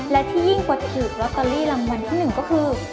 และที่ยิ่งบอดผิจลักตอรี่รางวัลที่หนึ่งก็คือ